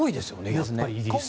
やっぱりイギリスって。